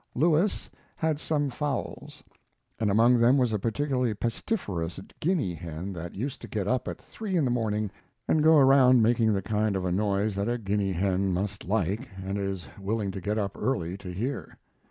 Lewis had some fowls, and among them was a particularly pestiferous guinea hen that used to get up at three in the morning and go around making the kind of a noise that a guinea hen must like and is willing to get up early to hear.